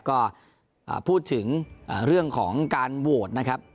ก็พูดถึงเรื่องของการโหวตนะครับ